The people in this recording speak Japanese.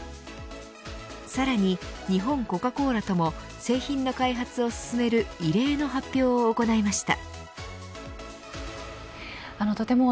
さらに、日本コカ・コーラとも製品の開発を進める異例の発表を行いました。